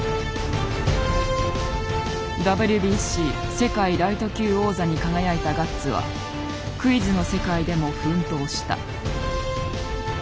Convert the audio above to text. ＷＢＣ世界ライト級王座に輝いたガッツはクイズの世界でも奮闘した。